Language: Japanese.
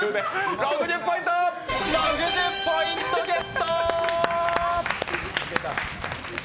６０ポイントゲット！